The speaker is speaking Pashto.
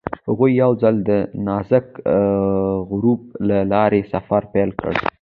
هغوی یوځای د نازک غروب له لارې سفر پیل کړ.